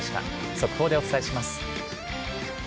速報でお伝えします。